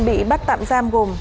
bị bắt tạm giam gồm